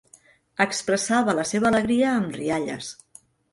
Expressava la seva alegria amb rialles.